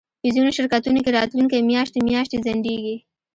په ځینو شرکتونو کې راتلونکی میاشتې میاشتې ځنډیږي